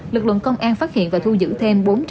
lực lượng công an phát hiện và thu giữ thêm